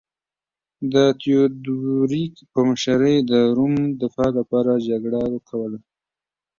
د تیودوریک په مشرۍ د روم دفاع لپاره جګړه کوله